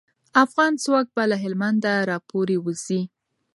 افغان ځواک به له هلمند راپوری وځي.